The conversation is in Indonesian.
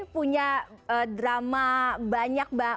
punya drama banyak